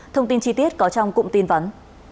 thông tin chi tiết có trong cụm tin vấn